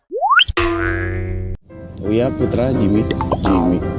wuyah putra jimmy